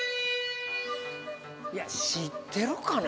いや知ってるかな？